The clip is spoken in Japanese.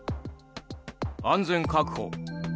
安全確保。